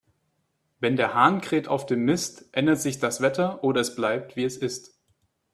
Wenn der Hahn kräht auf dem Mist, ändert sich das Wetter, oder es bleibt, wie es ist.